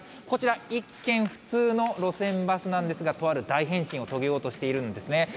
こちら、一見、普通の路線バスなんですが、とある大変身を遂げようとしているんですね。